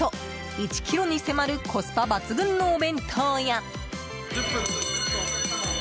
１ｋｇに迫るコスパ抜群のお弁当や。